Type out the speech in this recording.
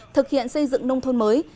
thực hiện xây dựng nông thôn mới